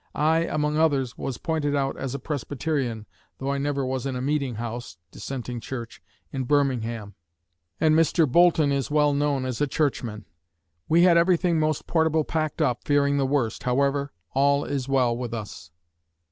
I, among others, was pointed out as a Presbyterian, though I never was in a meeting house (Dissenting Church) in Birmingham, and Mr. Boulton is well known as a Churchman. We had everything most portable packed up, fearing the worst. However, all is well with us.